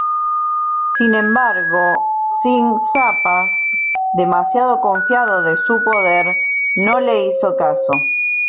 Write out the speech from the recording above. Sin embargo, Singh Thapa, demasiado confiado de su poder, no le hizo caso.